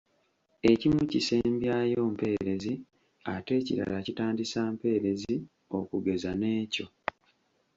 Ekimu kisembyayo mpeerezi ate ekirala kitandisa mpeerezi okugeza n’ekyo.